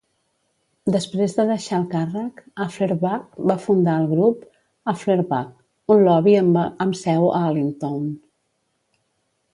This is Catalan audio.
Després de deixar el càrrec, Afflerbach va fundar el Grup Afflerbach, un lobby amb seu a Allentown.